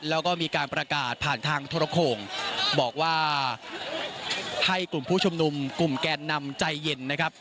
แล้วก็มีการประกาศผ่านทางโทรโข่งบอกว่าให้กลุ่มผู้ชุมนุมกลุ่มแกนนำใจเย็นนะครับ